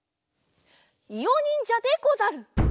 いおにんじゃでござる！